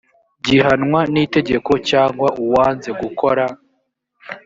gihanwa n itegeko cyangwa uwanze gukora